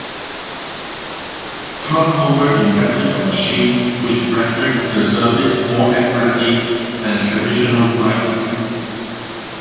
Fraunhofer invented a machine which rendered the surface more accurately than traditional grinding.